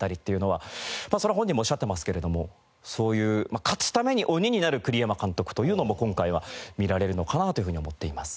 まあそれは本人もおっしゃってますけれどもそういう勝つために鬼になる栗山監督というのも今回は見られるのかなというふうに思っています。